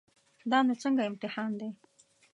دا نو څنګه امتحان دی.